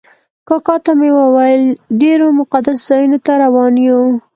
کاکا ته مې وویل ډېرو مقدسو ځایونو ته روان یو.